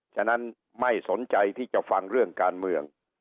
ฉะนั้นไม่สนใจที่จะฟังเรื่องการเมือง